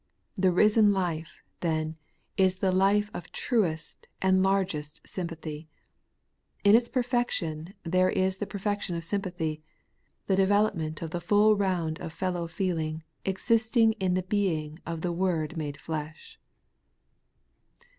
The risen life, then, is the life of truest and largest sympathy. In its perfection there is the perfection of sympathy, the development of the full roimd of fellow feeling existing in the being of the Word made flesh.